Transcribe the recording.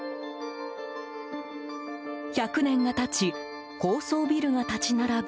１００年が経ち高層ビルが立ち並ぶ